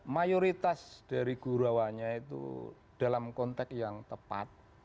mayoritas dari gurawannya itu dalam konteks yang tepat